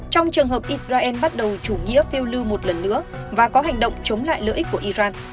trong trường hợp israel bắt đầu chủ nghĩa phiêu lưu một lần nữa và có hành động chống lại lợi ích của iran